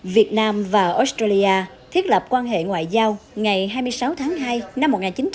việt nam và australia thiết lập quan hệ ngoại giao ngày hai mươi sáu tháng hai năm một nghìn chín trăm bảy mươi